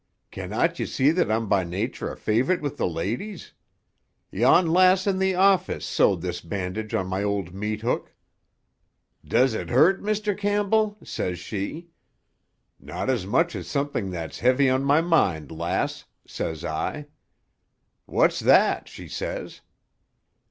"Can not you see that I'm by nature a fav'rite with the ladies? Yon lass in the office sewed this bandage on my old meat hook. "'Does it hurt, Mr. Campbell?' says she. 'Not as much as something that's heavy on my mind, lass,' says I. 'What's that?' she says.